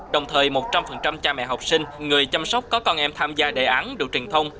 đồng thời một trăm linh cha mẹ học sinh người chăm sóc có con em tham gia đề án được truyền thông